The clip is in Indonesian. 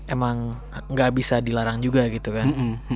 emang gak bisa dilarang juga gitu kan